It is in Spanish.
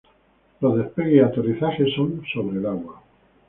Los despegues y aterrizajes son sobre el agua.